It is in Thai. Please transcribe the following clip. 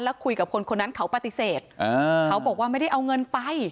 แล้วคุยกับคนคนนั้นเขาปฏิเสธเขาบอกว่าไม่ได้เอาเงินไป